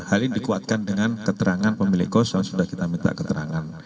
hal ini dikuatkan dengan keterangan pemilik kos yang sudah kita menjelaskan